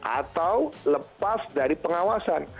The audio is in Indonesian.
atau lepas dari pengawasan